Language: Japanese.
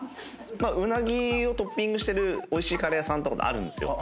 うなぎをトッピングしてるおいしいカレー屋さんとかもあるんですよ。